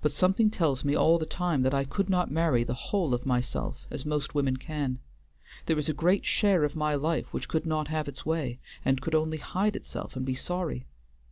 But something tells me all the time that I could not marry the whole of myself as most women can; there is a great share of my life which could not have its way, and could only hide itself and be sorry.